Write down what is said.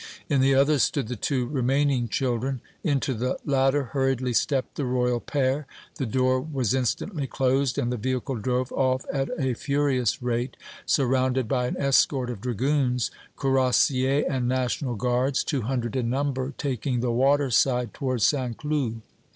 In the other stood the two remaining children. Into the latter hurriedly stepped the Royal pair. The door was instantly closed and the vehicle drove off at a furious rate, surrounded by an escort of dragoons, cuirassiers and National Guards, two hundred in number, taking the water side toward St. Cloud.